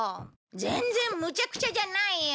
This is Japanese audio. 全然むちゃくちゃじゃないよ！